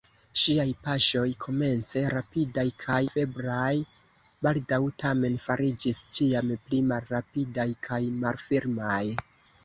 Ŝiaj paŝoj, komence rapidaj kaj febraj, baldaŭ tamen fariĝis ĉiam pli malrapidaj kaj malfirmaj.